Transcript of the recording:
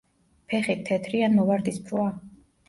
ფეხი თეთრი ან მოვარდისფროა.